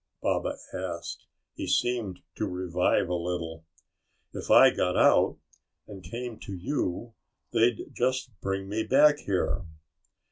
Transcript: Baba asked. He seemed to revive a little. "If I got out and came to you they'd just bring me back here."